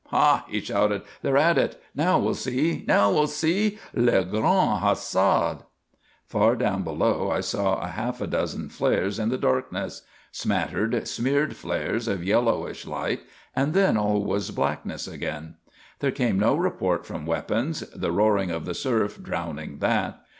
"Ha!" he shouted. "They're at it! Now we'll see! Now we'll see! Le grand hasard!" Far down below I saw a half a dozen flares in the darkness; smattered, smeared flares of yellowish light and then all was blackness again. There came no report from weapons, the roaring of the surf drowning that.